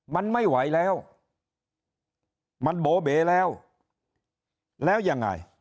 มันไม่ไหวแล้วมันโบเบแล้วแล้วยังไง